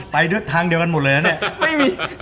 ไปด้วยทางเดียวกันหมดเลยนะเนี่ย